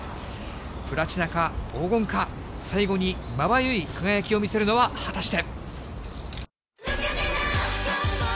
プラチナか黄金か、最後にまばゆい輝きを見せるのは果たして。